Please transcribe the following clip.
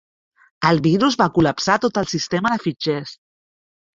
El virus va col·lapsar tot el sistema de fitxers.